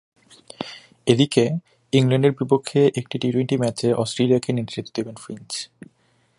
এদিকে, ইংল্যান্ডের বিপক্ষে একমাত্র টি টোয়েন্টি ম্যাচে অস্ট্রেলিয়াকে নেতৃত্ব দেবেন ফিঞ্চ।